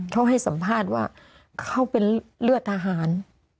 เขาให้สัมภาษณ์ว่าเขาเป็นเลือดทหาร